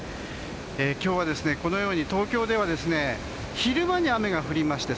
今日はこのように東京では昼間に雨が降りまして